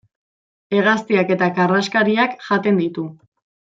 Hegaztiak eta karraskariak jaten ditu.